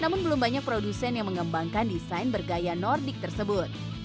namun belum banyak produsen yang mengembangkan desain bergaya nordic tersebut